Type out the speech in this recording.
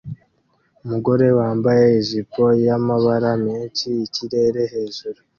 Umugore wambaye ijipo yamabara menshi ikirere hejuru